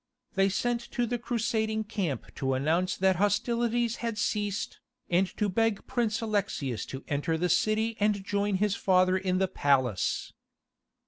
They sent to the Crusading camp to announce that hostilities had ceased, and to beg Prince Alexius to enter the city and join his father in the palace.